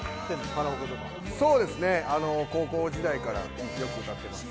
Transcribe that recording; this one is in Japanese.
カラオケとかそうですね高校時代からよく歌ってます